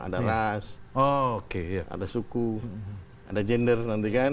ada ras ada suku ada gender nanti kan